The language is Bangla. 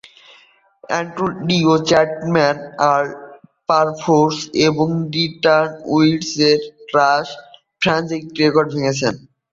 অ্যান্টোনিও চ্যাটম্যান অল-পারপোজ এবং রিটার্ন ইয়ার্ডসের জন্য রাশ ফ্রাঞ্চাইজ রেকর্ড ভেঙ্গেছেন।